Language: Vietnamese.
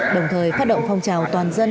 đồng thời phát động phong trào toàn dân